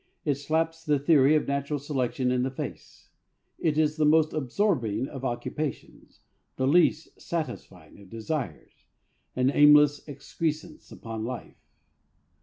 It slaps the theory of natural selection in the face. It is the most absorbing of occupations, the least satisfying of desires, an aimless excrescence upon life.